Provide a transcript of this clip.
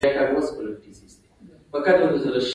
لاس یې په وینو لند شو.